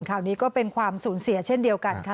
ข่าวนี้ก็เป็นความสูญเสียเช่นเดียวกันค่ะ